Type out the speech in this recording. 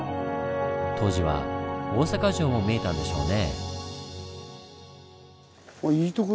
当時は大坂城も見えたんでしょうね。